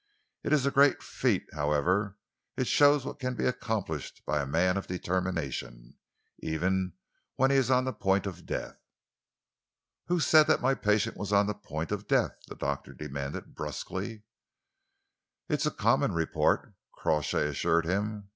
It is a great feat, however. It shows what can be accomplished by a man of determination, even when he is on the point of death." "Who said that my patient was on the point of death?" the doctor demanded brusquely. "It is common report," Crawshay assured him.